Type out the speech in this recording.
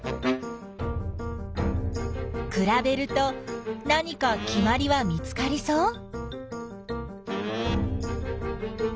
くらべると何かきまりは見つかりそう？